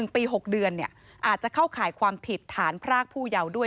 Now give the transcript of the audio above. ๑ปี๖เดือนอาจจะเข้าข่ายความผิดฐานพรากผู้เยาว์ด้วย